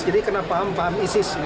jadi kenapa paham paham isis ini